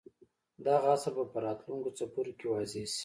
دغه اصل به په راتلونکو څپرکو کې واضح شي.